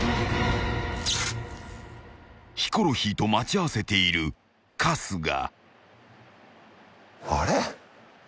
［ヒコロヒーと待ち合わせている春日］